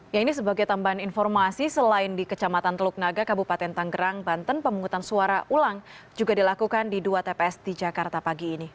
ya ini sebagai tambahan informasi selain di kecamatan teluk naga kabupaten tanggerang banten pemungutan suara ulang juga dilakukan di dua tps di jakarta pagi ini